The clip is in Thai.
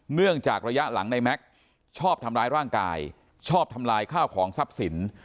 เนื่องจากระยะหลังในแม็กซ์ชอบทำร้ายร่างกายชอบทำลายข้าวของทรัพย์สิน